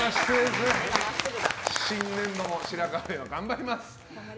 新年度も白河れいは頑張ります。